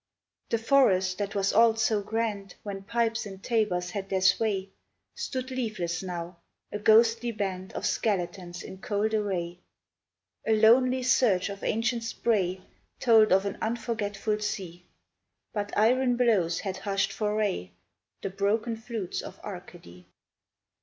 The forest that was all so grand When pipes and tabors had their sway Stood leafless now, a ghostly band Of skeletons in cold array. A lonely surge of ancient spray Told of an unforgetful sea, But iron blows had hushed for aye The broken flutes of Arcady.